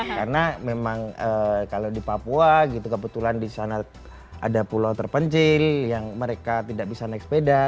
karena memang kalau di papua gitu kebetulan disana ada pulau terpencil yang mereka tidak bisa naik sepeda